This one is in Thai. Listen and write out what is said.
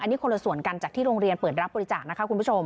อันนี้คนละส่วนกันจากที่โรงเรียนเปิดรับบริจาคนะคะคุณผู้ชม